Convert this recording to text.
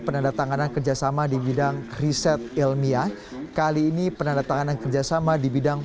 penandatanganan kerjasama di bidang riset ilmiah kali ini penandatanganan kerjasama di bidang